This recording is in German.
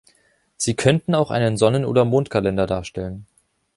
Sie könnten auch einen Sonnen- oder Mondkalender darstellen.